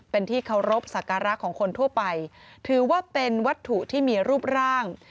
เป็นที่เคารพสักการะของคนทั่วไปถือว่าเป็นวัตถุที่มีรูปร่าง